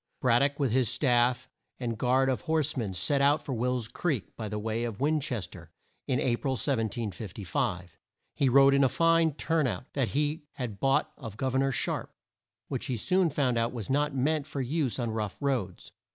Brad dock, with his staff and a guard of horse men, set out for Will's Creek, by the way of Win ches ter, in A pril, 1755. He rode in a fine turn out that he had bought of Gov er nor Sharpe, which he soon found out was not meant for use on rough roads.